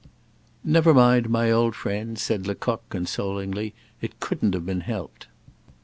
"Never mind, my old friend," said Lecoq, consolingly; "it couldn't have been helped."